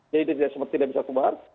jadi dia tidak bisa keluar